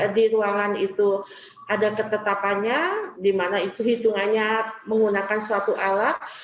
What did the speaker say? di ruangan itu ada ketetapannya di mana itu hitungannya menggunakan suatu alat